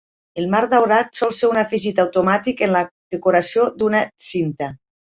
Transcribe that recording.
El marc daurat sol ser un afegit automàtic en la decoració d'una cinta.